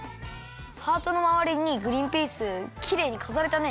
ハートのまわりにグリンピースきれいにかざれたね！